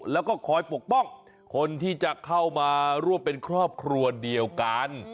แล้วก็คอยปกป้องคนที่จะเข้ามาร่วมเป็นครอบครัวเดียวกัน